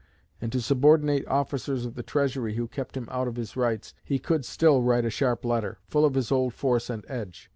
And to subordinate officers of the Treasury who kept him out of his rights, he could still write a sharp letter, full of his old force and edge.